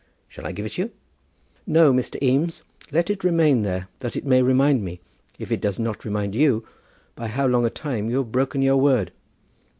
"Shall I give it you?" "No, Mr. Eames; let it remain there, that it may remind me, if it does not remind you, by how long a time you have broken your word."